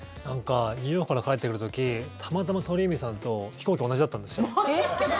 ニューヨークから帰ってくる時たまたま鳥海さんと飛行機、同じだったんですよ。